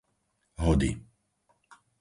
Hody